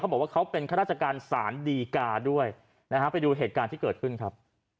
บอกว่าเขาเป็นข้าราชการสารดีกาด้วยนะฮะไปดูเหตุการณ์ที่เกิดขึ้นครับ